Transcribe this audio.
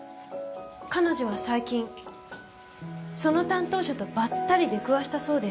彼女は最近その担当者とばったり出くわしたそうです。